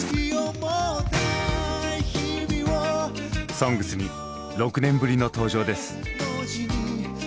「ＳＯＮＧＳ」に６年ぶりの登場です。